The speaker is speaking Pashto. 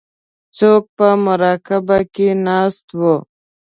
څوک په مراقبه کې ناست وو.